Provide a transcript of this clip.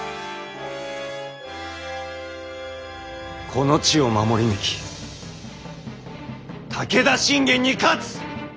この地を守り抜き武田信玄に勝つ！